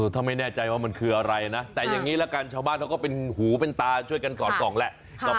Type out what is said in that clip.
ถ้าไม่แน่ใจว่ามันคืออะไรนะแต่อย่างนี้ละกันชาวบ้านเขาก็เป็นหูเป็นตาช่วยกันสอดส่องแหละ